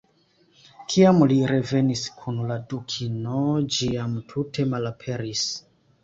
Kiam li revenis kun la Dukino, ĝi jam tute malaperis.